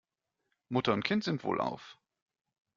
Mutter und Kind sind wohlauf.